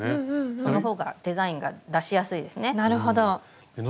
そのほうがデザインが出しやすいですね。